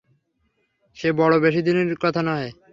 সে বড়ো বেশি দিনের কথা নহে।